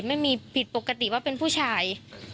ไม่มีผิดปกติว่าเป็นผู้ชาย